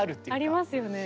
ありますよね。